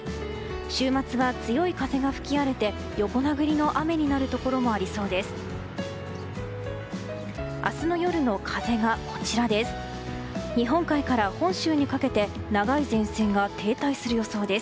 週末は、強い風が吹き荒れて横殴りの雨になるところもありそうです。